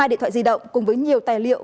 hai điện thoại di động cùng với nhiều tài liệu